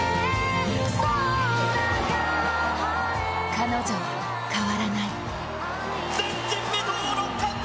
彼女は変わらない。